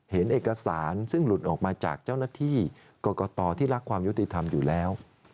เห็นเอกสารซึ่งหลุดออกมาจากเจ้าหน้าที่กรกตที่รักความยุติธรรมอยู่แล้ว